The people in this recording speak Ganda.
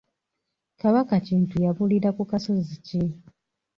Kabaka Kintu yabulira ku kasozi ki?